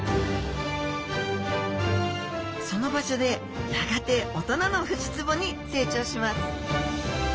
その場所でやがて大人のフジツボに成長します